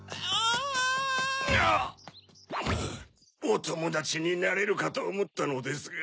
おともだちになれるかとおもったのですが。